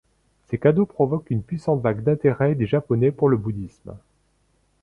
Ces cadeaux provoquent une puissante vague d'intérêt des japonais pour le bouddhisme.